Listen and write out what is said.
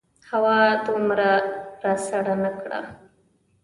هوا دومره راسړه نه کړه.